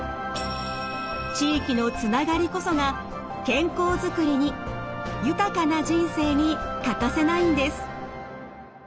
地域のつながりこそが健康作りに豊かな人生に欠かせないんです。